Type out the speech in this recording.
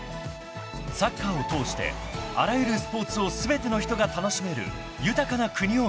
［サッカーを通してあらゆるスポーツを全ての人が楽しめる豊かな国を目指す］